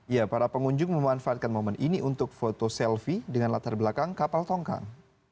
ya para pengunjung memanfaatkan momen ini untuk foto selfie dengan latar belakang kapal tongkang